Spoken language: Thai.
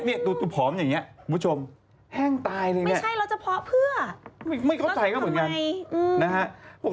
ไม่เขาเขนะเหมือนกัน